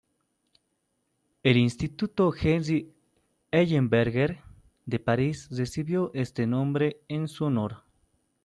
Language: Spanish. El instituto Henri Ellenberger de París recibió este nombre en su honor.